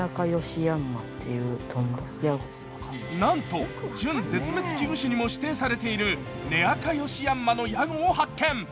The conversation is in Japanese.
なんと準絶滅危惧種にも指定されているネアカヨシヤンマのヤゴを発見。